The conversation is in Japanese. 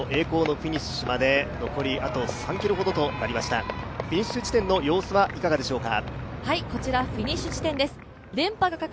フィニッシュ地点の様子はいかがでしょうか。